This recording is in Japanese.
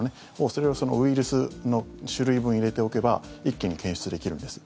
それをウイルスの種類分入れておけば一気に検出できるんです。